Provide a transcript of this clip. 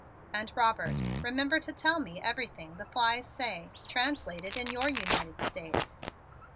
And, Robert, remember to tell me everything the flies say, translated in your United States."